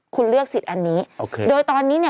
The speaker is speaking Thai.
คุณเลือกสิทธิ์อันนี้โอเคโดยตอนนี้เนี่ย